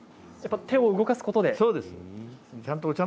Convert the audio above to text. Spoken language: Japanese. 手を動かすことで。